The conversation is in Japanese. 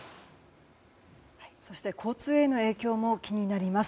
そして交通への影響も気になります。